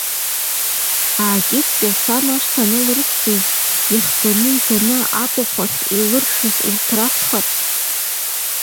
Аакьыскьа сан ашҭа анылрыцқьоз иахганы иганы абахәахь илыршәыз урҭ ракәхап.